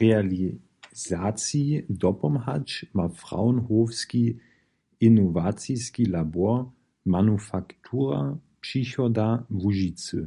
Realizaciji dopomhać ma Fraunhoferski inowaciski labor "Manufaktura přichoda Łužicy".